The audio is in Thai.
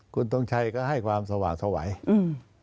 คุณทงชัยก็ให้ความสว่างสวัยอืม